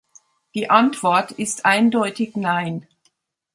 Die Antwort ist eindeutig Nein.